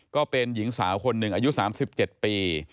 ก็เป็นหญิงสาวคนหนึ่งอายุ๓๗ปี